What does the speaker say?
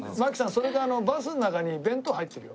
それかあのバスの中に弁当入ってるよ。